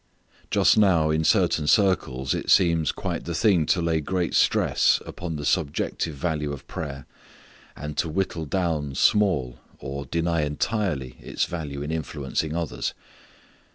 Just now in certain circles it seems quite the thing to lay great stress upon the subjective value of prayer and to whittle down small, or, deny entirely its value in influencing others.